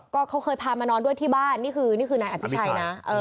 ก็เขาเคยพามานอนด้วยที่บ้านนี่คือนี่คือนายอภิชัยนะ